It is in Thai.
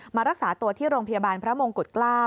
รักษาตัวที่โรงพยาบาลพระมงกุฎเกล้า